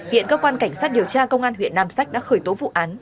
hiện cơ quan cảnh sát điều tra công an huyện nam sách đã khởi tố vụ án